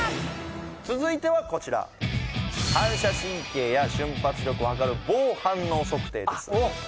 続いてはこちら反射神経や瞬発力を測る棒反応測定です